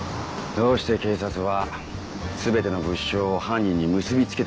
どうして警察は全ての物証を犯人に結びつけてしまうのでしょうか。